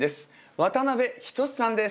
渡辺均さんです。